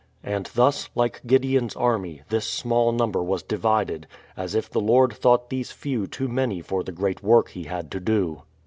And thus, like Gideon's army, this small number was divided, as if the Lord thought these few too many for the great work He had to do.